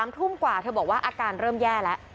ทุ่มกว่าเธอบอกว่าอาการเริ่มแย่แล้ว